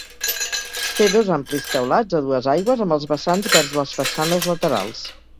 Té dos amplis teulats a dues aigües amb els vessants vers les façanes laterals.